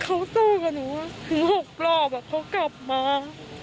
เขาสู้กับหนูถึง๖รอบเขากลับมา